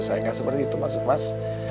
saya nggak seperti itu maksud mas